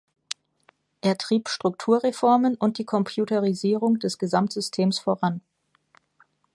Er trieb Strukturreformen und die Computerisierung des Gesamtsystems voran.